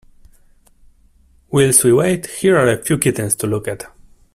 Whilst we wait, here are a few kittens to look at.